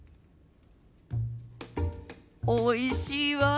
おいしいわあ。